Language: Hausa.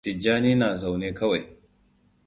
Tijjani na zaune kawai.